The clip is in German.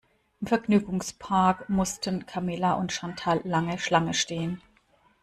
Im Vergnügungspark mussten Camilla und Chantal lange Schlange stehen.